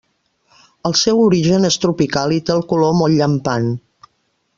El seu origen és tropical i té el color molt llampant.